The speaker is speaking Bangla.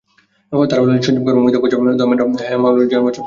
তাঁরা হলেন সঞ্জীব কুমার, অমিতাভ বচ্চন, ধর্মেন্দ্র, হেমা মালিনি, জয়া বচ্চন প্রমুখ।